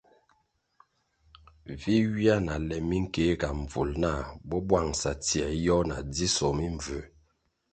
Vi ywia na le minkeega mbvul nah bo bwangʼsa tsie yoh na dzisoh mimbvū.